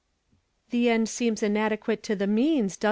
"O^HE end seems inadequate to the means, nPi.